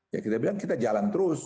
ya kita bilang kita jalan terus